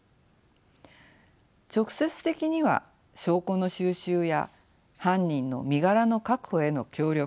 直接的には証拠の収集や犯人の身柄の確保への協力